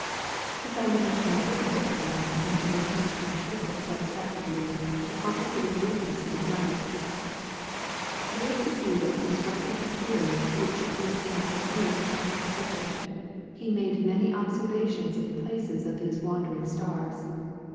He found a much more difficult problem in his attempt to interpret satisfactorily the complicated movements of the planets. With the view of constructing a theory which should give some coherent account of the subject, he made many observations of the places of these wandering stars.